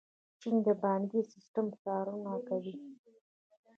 چین د بانکي سیسټم څارنه کوي.